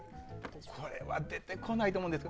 これは出てこないと思うんです。